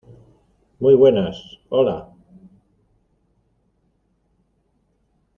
muy buenas. hola .